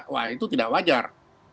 wah itu tidak wajar